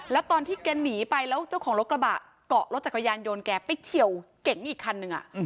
แล้วตอนที่แกหนีไปแล้วเจ้าของรถกระบะเกาะรถจักรยานยนต์แกไปเฉียวเก๋งอีกคันนึง